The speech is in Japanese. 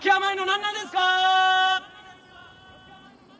何ですか？